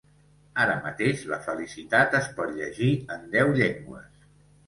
Ara mateix, La felicitat es pot llegir en deu llengües.